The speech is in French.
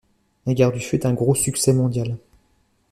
La guerre du feu est un gros succès mondial.